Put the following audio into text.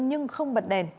nhưng không bật đèn